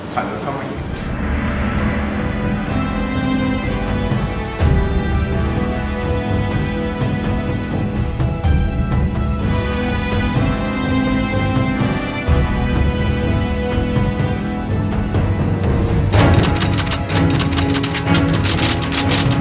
ถ่ายเรือเข้ามาเย็น